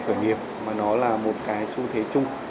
khởi nghiệp mà nó là một cái xu thế chung